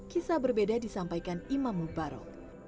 kisah berbeda disampaikan imam mubarok